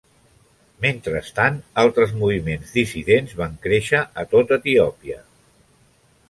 Mentrestant, altres moviments dissidents van créixer a tot Etiòpia.